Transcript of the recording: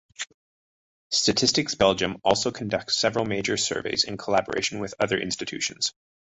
Statistics Belgium also conducts several major surveys in collaboration with other institutions.